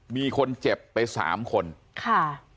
มีคนเจ็บไปสามคนค่ะ